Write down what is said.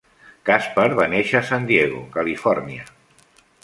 Casper va néixer a San Diego, Califòrnia.